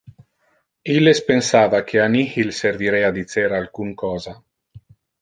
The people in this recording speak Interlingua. Illes pensava que a nihil servirea dicer alcun cosa.